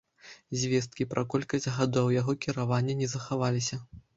Звесткі пра колькасць гадоў яго кіравання не захаваліся.